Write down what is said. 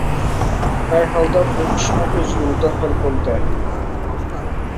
ھەر ھالدا بۇ ئىشمۇ ئۆز يولىدا ھەل بولدى.